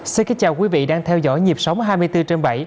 xin kính chào quý vị đang theo dõi nhịp sống hai mươi bốn trên bảy